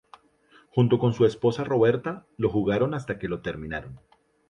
Junto con su esposa Roberta, lo jugaron hasta que lo terminaron.